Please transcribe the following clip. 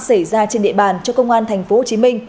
xảy ra trên địa bàn cho công an thành phố hồ chí minh